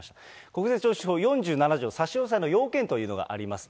国税徴収法４７条、差し押さえの要件というのがあります。